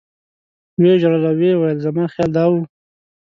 و یې ژړل او ویې ویل زما خیال دا و.